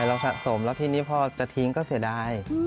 เราสะสมแล้วทีนี้พอจะทิ้งก็เสียดาย